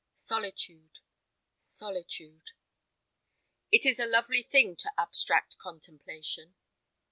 Solitude, solitude! It is a lovely thing to abstract contemplation.